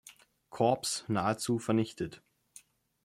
Korps, nahezu vernichtet.